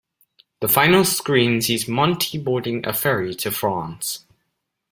The final screen sees Monty boarding a ferry to France.